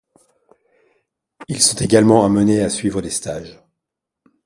Ils sont également amenés à suivre des stages.